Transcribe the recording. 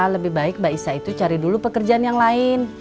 lebih baik mbak isa itu cari dulu pekerjaan yang lain